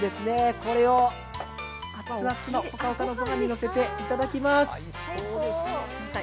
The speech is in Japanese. これを熱々のほかほかご飯にのせていただきます。